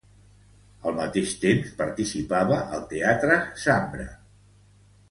Al mateix temps, participava al Teatre Zambra.